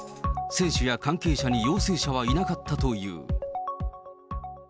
選手や関係者に陽性者はいなかったという。